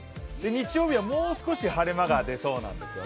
日曜日はもう少し晴れ間がでそうです。